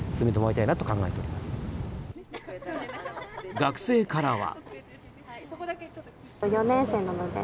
学生からは。